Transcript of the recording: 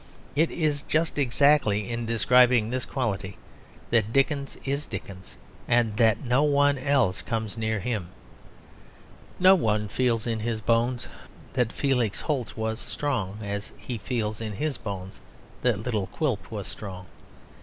It is just exactly in describing this quality that Dickens is Dickens and that no one else comes near him. No one feels in his bones that Felix Holt was strong as he feels in his bones that little Quilp was strong.